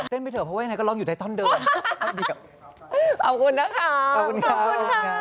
ขอบคุณนะครับขอบคุณค่ะขอบคุณครับ